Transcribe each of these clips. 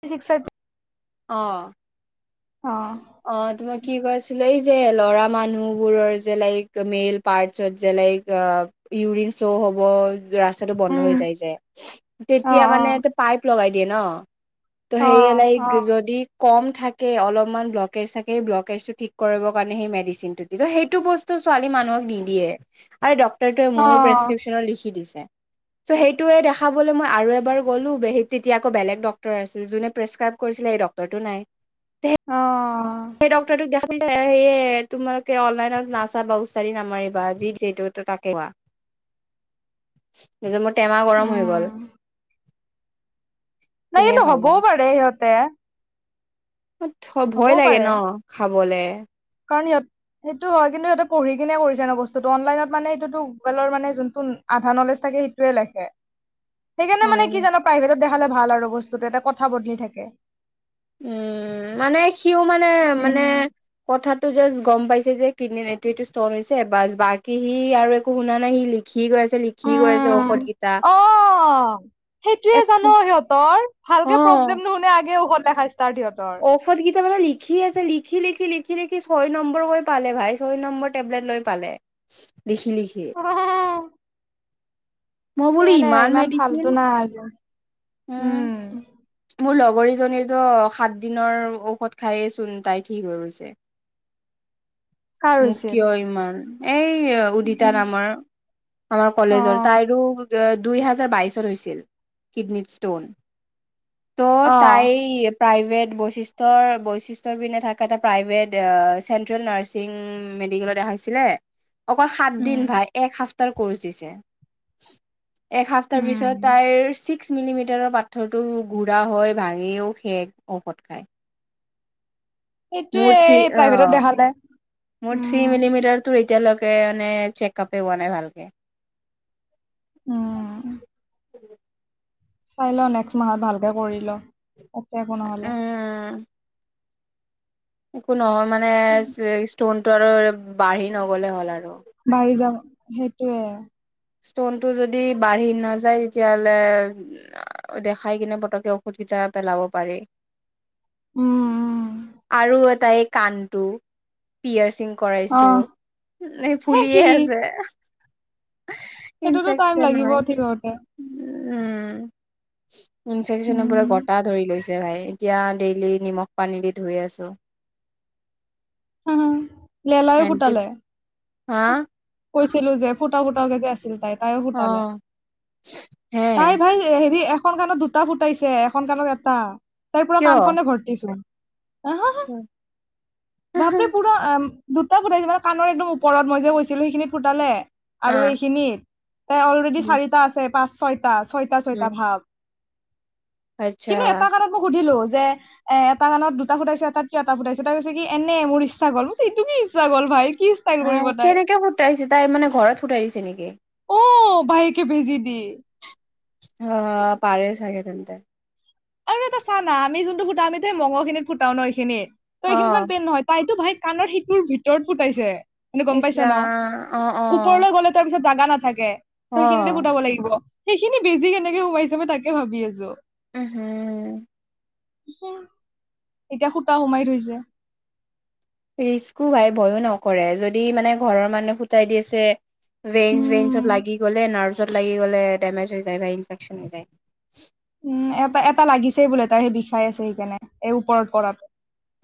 থ six fifty অঁ অঁ তোমাৰ কি কৰিৈছিল এই ল'ৰা মানুহ বিলাক যে যেনে মেইল ৰ্পাট অঁ ক'ব ৰাস্তাটো বন্ধ হৈ উম যাই যে অ তেতিয়া মানে পাইপ লগাই দিয়ে ন ত' অ অ সেয় লাইক অ যদি কম থাকে অলপমান ব্ল কে চাগে ব্লেককেটৰ তো কৰিব কাৰণে সেই মেচিন তো সেইতো বচতো ছোৱালী মানুহক নিদিয়ে। আৰে ডক্টৰে ডক্টৰেটোৱে অ মোৰ প্ৰেছক্ৰিপশ্যনত লিখি দিছে চ' সেইটোৱে দেখাবলৈ মই আৰু এবাৰ গলো বে তেতিয়াকৌ বেলেগ ডক্তৰ আছিল যোনে প্ৰেচক্ৰাইব কৰিছিলে ডক্টৰ টোনাই অঁএয় সেই ডক্টকটো দেখা সেয়ে তোমালোকে অনলাইনত নাচাবা উচাৰি নামাৰিবা যি যিহেতু তাকে কোৱা নিজৰ মোৰ টেমা গৰম হৈ উম গ'ল কোনে নাইাইন হ'বো বডে সতে ভয় লাগে ন খাবলে কাৰণিয়াত সেইটো হয় কিন্তু সিহঁতে পঢি কিনে কৰিছোনো বস্তুটো অনলাইনত মানে এইটোতো গুগেলৰ মানে যোনটো আধা নলেজ থাকে সেইটয়ে লেখে [unintelligible] সেইকাৰণে মানে হয়নে কি জানো প্ৰাইভেটত দেখালে ভাল আৰু বস্তুতটো এটা কথা বদলি থাকে উম মানে সিও মানে মানে উম কথা টো জাষ্ট গম পাইছে যে কিডনিত এইটো এইটো ষ্টন হৈছে বা বাকী সি আৰু একো শুনা নাই সি লিখি লিখি গৈ আছে লিখি গৈ আছে উম। ঔষধ গেইটা। অ সেইটোয়ে জান সিহঁতৰ অ ভালকে প্ৰব্লেম নুশুনে আগে ঔষধ লেখা ষ্টাৰ্ট সিহঁতৰ ঔষধ কেইটা মানে লিখি লিখি আছে লিখি লিখি লিখি লিখি ছয় নম্বৰকৈ পালে ভাই ছয় নম্বৰ টেবলেট লৈ পালে। লিখি লিখি। মই বোলো সেইয় নে ইমান মেডিচিন ভালতো নাই আজি উম। মোৰ লগৰীজনীৰতো সাত দিনৰ ঔষধ খায়েইচোন তাই ঠিক হৈ গৈছে। কাৰ মোক হৈছিল কিয় ইমান এই উদিতা উম, নামৰ আমাৰ অ কলেজৰ, তাইৰো অ দুই হোজাৰ বাইছত হৈছিল কিডনীত ষ্টোন। অ ত' তাই প্ৰাইভেট বৈশিষ্ট্য ৰ বৈশিষ্ট্য পিনে এটা থাকে প্ৰাইভেট অঁ চেন্ট্ৰেল ৰ্নাচ ম মেডিকেলতে দেখাইছিলে অকল হাত উম দিন ভাই এক সাত ক দিছে একসপ্তাহ উম পিছত তাইৰ ছিক্স মিলিমিটাৰৰ পাথৰটো ঘুৰা হয় ভাঙিও সেষ ঔষধ খায়। সেইটোয়ে মোৰ থ্ৰী এই অ প্ৰাইভেটত দেখালে মোৰ থ্ৰী উম মিলিমিটাৰ, তোৰ এতিয়া ম চেক আপে পোৱা নাই ভালকে। উম। [inaudible] চাই ল নেক্সট মাহত ভালকে কৰি ল একে একো নহলে। উম একো নহয় মানে ষ্টনটো আৰু বাঢ়ি নগলে হ'ল আৰু। বাঢ়ি যাব সেইটোয়ে। ষ্টন টো যদি বাঢ়ি নাযায় তেতিয়াহ'লে দেখাই কিনে পতকে ঔষধি জা পেলাব পাৰি। উম উম আৰু এটা এই কাণটো পিয়ৰ সিং অ কৰাইছো সেই কি ফুলিয়ে আছে। সেইটোতো টাইম ইনফেকচন লাগিব হয়! ঠিক হওঁতে উম ইনফেকচন পোৰা উম গটা ধৰি লৈছে। ভাই এতিয়া ডেইলি নিমখ পানী দি ধুই আছো। লেলাইও এনকে ফুটালে হা কৈছিলো যে ফুটা ফুটাওকে যে আছিল তাই। তাইও ফুতালে অ হে তাই ভাই হেৰি এখন কাণত দুটা ফুটাইছে এখন কাণত এটা তাৰৰ পৰা কিয়? কাণখনে ভৰ্তিছোন। আহ হা হা বাপৰে পুৰা আহ দুটা ফুটাইছে মান কাৰ একদম ওপৰত মই যে গৈছিলো সেইখিনিত ফুটালে আৰু আহ এইখিনিত ত অলৰেডি উম চাৰিটা আছে পাঁচ ছয় ছয়তা উম ছয়তা ভাৱ। আচ্ছা কিন্তু এটা কাৰণে মোক সুধিলো যে এ এটা কানত দুটা ফুটাইছ এটাত কিয় এটা ফুটাইছ? তাই কৈছে কি এনে মোৰ ইচ্ছা গ'ল। সেইটোকি ইচ্ছা গ'ল ভাইক। হ কেনেকে ফুটাইছে তাই মানে ঘৰত ফুটাই দিছে নেকি? বাইকে বেজি দি। অ পাৰে চাগে তেন্তে। আৰু এটা চানা আমি যোনটো ফুটা আমিতো মগল খিনিত ফুটাও ন এইখিনি। তই অ এইখিনিখন পেন নহয় তাইতো ভাই কাণৰ শিটোৰ ভিতৰত পুটাইছে। মানে গম ইচ পাইছ ন ৰাম অ অ ওপৰলৈ গ'লে তাৰপিছত জাগা নাথাকে অ ত সেইখিনিতে পুটাব লাগিব সেইখিনি বেজি কেনেকে সোমাইছে তাকে ভাবি আছো। উ হম। এতিয়া সূতা সোমাই থৈছে। ৰিস্কো ভাই ভয়ো নকৰে যদি মানে ঘৰৰ মানুহে ফুটাই দি আছে। উম ননব লাগি গলে নাৰ্ভত লাগি গলে ডমেজ হৈ যায় বা ইনফেকচন হৈ যায় উম এটা এটা লাগিছেই বোলে তাই সেই বিষাই আছে সেইকাৰণে এই ওপৰত পৰাত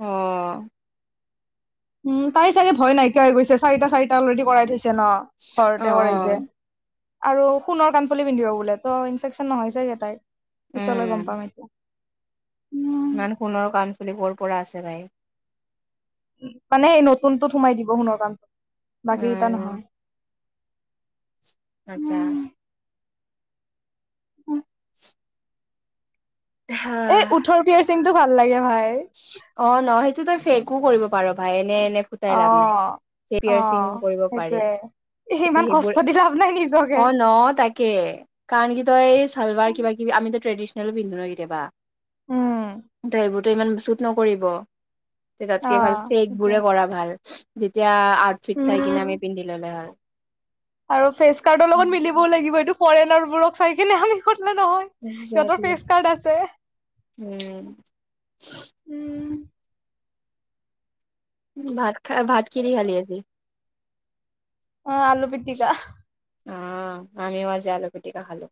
আহ উম তাই চাগে ভয় নাইকিয়া হৈ গৈছে চাৰিটা চাৰিটা অলৰেডি কৰাই থৈছে ন অ', ঘৰতে কৰিছে অ'। আৰু সোণৰ কাণফুলি পিন্ধিব বোলে ত' ইনফেকচন নহয়ছেগে তাইৰ পিছলৈ গম উম, পাম এতিয়া উম ইমান সোণৰ কাণফুলি ক'ৰ পৰা আছে বাই মানে স নতুনতটোত সোমাই দিব সোণৰ কণ বাকী এটা উম, নহয়। আচ্ছা উম। এ উঠৰ পিয়াৰ চিংটো ভাল লাগে। ভাই অ ন সেইটো তই ফেকো কৰিব পাৰ ভাই এনে এনে ফুটাই অ লাভ নাই অ সেইয়িং কৰিব পাৰি সেইটোয়ে সিমান সেইবোৰ কষ্ট দি লাভ নাই নিজকে অ ন তাকে কাৰণ কি তই চালভাৰ কিবা কিবি আমিতো ট্ৰেডিচনেলো পিন্ধো নয় কেতিয়াবা উম ত সেইবোৰতো ইমান শুট নকৰিব তে অ তাতকে ভাল ফেক সেইটোৱে বোৰে কৰা ভাল যেতিয়া আউটফিট চাই কিনে উম আমি পিন্ধি ললে হল আৰু ফেচ কাৰ্ডৰ লগত মিলিবও লাগিব এইটো ফৰেনাৰবোৰক চাই কিনে আমি নহয় সিহঁতৰ একজেক্টলি। পেচ কাৰ্ড আছে উম উম। ভাত খা ভাত কি খালি আজি অ আলু পিটিকা অ আমিও আজি আলু পিটিকা খালোঁ।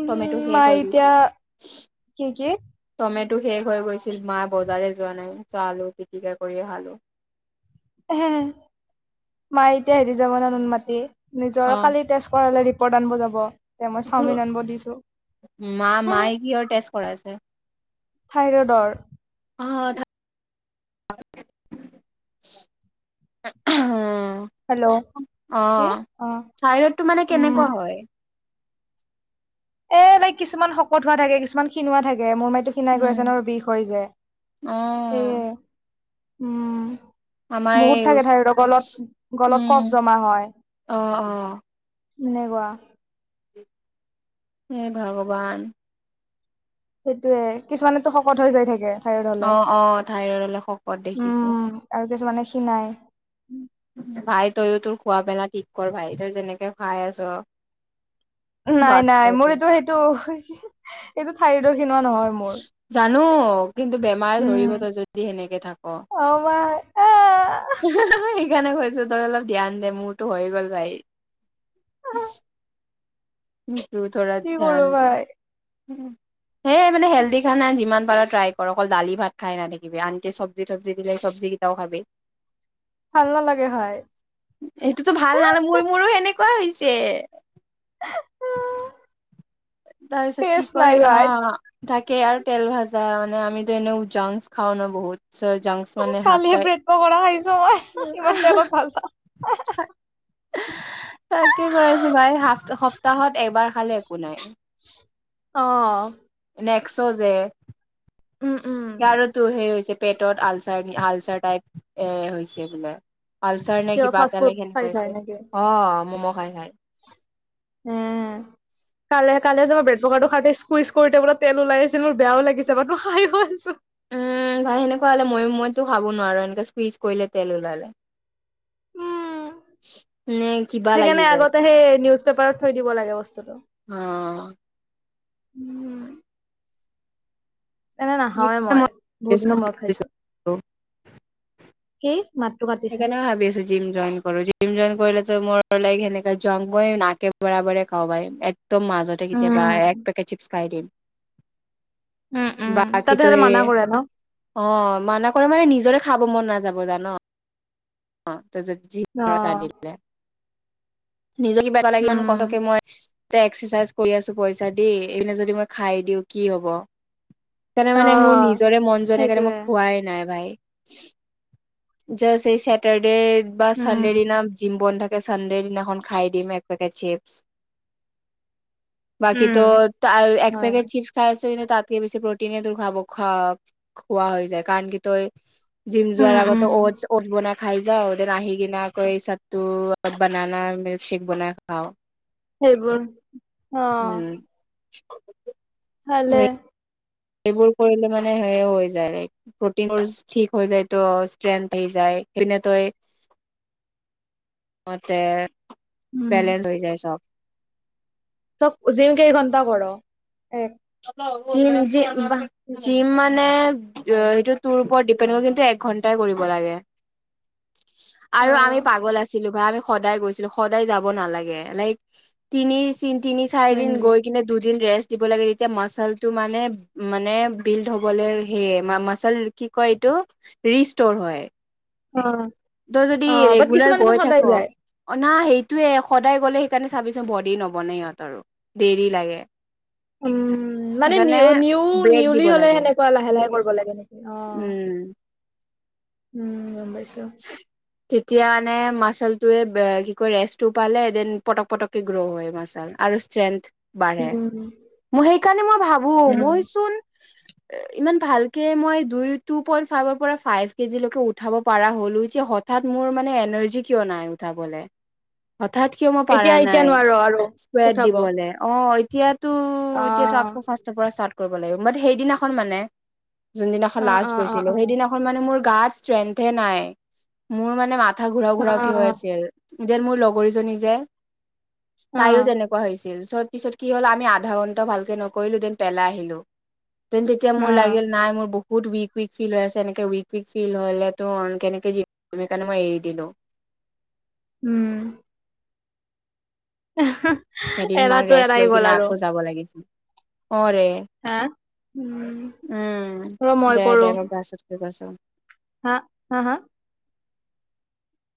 উম টমেটো শেষ মায়ে হৈ গৈছে এতিয়া কি টমে টো শেষ হৈ গৈছিল মায় বজাৰে যোৱা নাই চালো পিটিকা কৰি খালো হে মায়ে এতিয়া হেৰি যাব ন নুন মাতি নিজৰ অ কালি তেজ কৰালে দি প্ৰদান বজাব এয়া মই তোৰ চাওমিন আনব দিছো। মা মায়ে কিহৰ টেষ্ট কৰাইছে? থাইৰইডৰ অ অ কি অ শাইৰতটো মানে উম কেনেকুৱা হয়। এ লাইক কিছুমান শকত হোৱা থাকে কিছুমান ক্ষীণৱা থাকে মোৰ মানে সটো খিনাই গৈ উম আছে ন বিষ হৈ যায় অ সেইয়ে উম। আমাৰ বহুত এই থাকে উচ ধাই গলত গলত উম কফ জমা হয়। অ অ এনেকুৱা হ ভগৱান সেইটোয়ে কিছুমানেতো শকত হৈ যায় থাকে। হলে অ অ থাইৰইড হলে শকত দেখিছো উম আৰু কিছুমানে সিনাই ভাই তইও তোৰ খোৱা পেলা ঠিক কৰ ভাই তই যেনেকে খাই আছ নাই বাদ নাই মোৰ এইটো সেইটো এইটো ঠাই ৰ জানো কিন্তু বেমাৰ উম ধৰিবতো যদি সেনেকে থাক হা অ ভাই আহ হা সেইকাৰণেছো তই অলপ ধ্যান দে মোৰতো হৈ গ'ল ভাৰি সেইটো ধৰা কি ধ্যান কৰো দিয় ভাই সেই মানে হেল্ডি খানা যিমান ট্ৰাই কৰ অকল দালি ভাত খাই নাথাকিবি আনকি চব্জি তব্জি দিলে চব্জি কেইটাও খাবে ভাল নালাগে ভাই সেইটোতো ভাল নালে মোৰ মোৰো সেনেকুৱা হৈছে তাৰিছত কি টেষ্ট কয় নাই ভাই হা তাকেই আৰু তেল ভাজা মানে আমিতো এনে উজাং খাওঁ ন বহুত চ জংক মানে কালিহে হাতটাই ব্ৰেড পকৰা খাইছো মই হা ইমান তেলত ভাজা হা‌ তাকে কৈ আছো ভাই সপ্তাহত এবাৰ খালে একো নাই। অ নেক্স যে উম উম হেয়াৰো টো সেই হৈছে পেটত আলচাৰ আলচাৰ টাইপ এ হৈছে বোলে। আলচাৰ নে কিয় কিবা ফাষ্ট ফুড এটালে খাইছা সেনেকুৱাইছে নেকি অ মম' খাই খাই। উম। কালে কালে যাবা ব্ৰেড পকাৰটো খাতে চুইচ কৰি বোলে তেল উলাইচে নহয় মোৰ বেয়াও লাগিছে মো খাই আছো। উম ভাই সেনেকুৱা হ'লে মই মইতো খাব নোৱাৰো এনেকে চুইজ কৰিলে তেল ওলালে। [inaudible] কিবা লাগি সেইকাৰণে যায় আগতে সেই নিউজ পেপাৰত থৈ দিব লাগে বস্তুটো। অ উম এনে নখাওঁৱে মই বহুত দিনৰ মূৰত খাইছো। অ কি মাতটো কাটিছে সেইকাৰণে ভাবি আছো জিম জইন কৰো জিম জইম কৰিলে ত মোৰ লক সেনেকা জংই নাকে বৰাবৰে খওঁ বাই তোৰ মাজতে কেতিয়াবা উম এক পেকেট চিপছ খাই দিম। উম উম তাতে বাকীতো হ'লে এ মানা কৰে ন অ মানা কৰে মানে নিজৰে খাব মন নাযাব জান, অ অ তাৰছত [unintelligible] নিজে কিবা এটা লাগিলে ইমান কছকে উম মই এ এক্সাৰচাইজ কৰি আছো পইচা দি এইপিনে যদি মই খাই দিওঁ কি হব। সেইকাৰণে অ মানে মোৰ নিজৰে মন যোৱা নাই সেইকাৰণে মই সেইটোৱে খোৱাই নাই ভাই। য এই চেটাৰ্ডে বা উম চানডে দিনা জিম বন্ধ থাকে চানডে দিনাখন খাই দিম এক পেকেট চিপছ। বাকী ত উম এক হয় পেকেট চিপছ খাই আছে ন। তাতকে বেছি প্ৰটিনে তোৰ খাব খ খোৱা হৈ যায় কাৰণ কি তই জিম যোৱাৰ উম আগত উম ঠ বনাই খাই যাও দেন আহি কিনা আকৌ এই চাদটো বনানা মিল্কশ্বেক বনাই খাও। সেইবোৰ অ! উম [unintelligible] ভালে। সেইবোৰ কৰিলে মানে সেই হৈ যায় ল প্ৰটিনোৰ ঠিক হৈ যায় তো ষ্ট্ৰেং যায় বিনে তই মতে উম বেলেন্ঞ্চ হৈ যায় চব। ত জিম কেই ঘণ্টা কৰ? এক জিম জিম জিম মানে সেইটো তোৰ ওপৰত ডিপেণ্ড কৰে, কিন্তু এক ঘন্টাই কৰিব লাগে। অ আৰু আমি পাগল আছিলো বা আমি সদায় গৈছিলো সদায় যাব নালাগে লাইক তিনি তিনি চাৰি হয় দিন নেকি গৈ কিনে দুদিন ৰেষ্ট দিব লাগে। এতিয়া মচলটো মানে মানে বিল্ড হবলৈ সেয়ে মাচল কি কয় এইটো ৰিষ্টৰ হয় অ তই যদি অ বাট ৰেগুলাৰ কিছুমানেচোন গৈ থাক। সদায় যায় না সেইটোৱে সদায় গ'লে সেইকাৰণে চাবিচোন বডি নবনে সিহঁতৰো আৰু দেৰি লাগে। উম। মানে নি সেইকাৰণে নিউ ব্ৰেক দিব নিউলি হলে লাগে সেনেকুৱা লাহে লাহে কৰিব লাগে নেকি অ। উম উম গম পাইছো। তেতিয়া মানে মাচালটয়ে কি কয় ৰেষ্টটো পালে দেন পটক পটককে গ্ৰ' হয় মাচাল। আৰু ষ্ট্ৰেংথ বাঢ়ে উম মই সেইকাৰণে মই ভাবো উম মই চোন ইমান ভালকে মই দুই টু পইন্ ফাইৰ পৰা ফাইভ কেজি লৈকে উঠাব। পাৰা হলোঁ এতিয়া হঠাৎ মোৰ মানে এনাৰ্জি কিয় নাই উঠাবলে। হঠাৎ কিয় মই পাৰা এতিয়া এতিয়া নাই নোৱাৰো আৰু স্কোৱাড উঠাব দিবলৈ অ এতিয়া ত অ এতিয়াতো আকৌ ফাৰ্ষ্টৰ পৰা ষ্টাৰ্ট কৰিব লাগিব বাত সেইদিনাখন মানে যোনদিনাখন অ লাষ্ট অ অ গৈছিলো অ সেইদিনাখন মানে মোৰ গাত ষ্ট্ৰেন্থহে নাই। মোৰ মানে মাত কথা ঘূৰাও অ ঘুৰাও কি হৈ আছিল, যেন মোৰ লগৰীজনী যে অ তাইৰো তেনেকোৱা হৈছিল চব পিছত কি হ'ল আমি আধা ঘণ্টা ভালকৈ নকৰিলোঁ দেন পেলাই আহিলোঁ তেতিয়া অ মোৰ লাগিল নাই মোৰ বহুত উইক উইক ফিল হৈ আছে এনেকে উইক উইক ফিল হলে ত কেনেকে জিম সেইকাৰণে মই এৰি দিলো উম আহ কেইদিনমান ৰেষ্ট লৈ কিনে আকৌ যাব লাগিছিল অ ৰে হা উম উম ৰ মই দে কৰো দে মই পাছতকে কৈছো হা হা হা